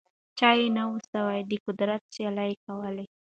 چا یې نه سوای د قدرت سیالي کولای